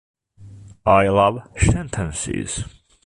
I love sentences